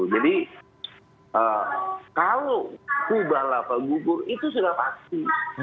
jadi kalau kubah lapang gugur itu sudah pasti